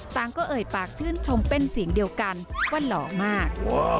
ต่างก็เอ่ยปากชื่นชมเป็นเสียงเดียวกันว่าหล่อมาก